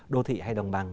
đô thị hay đồng bằng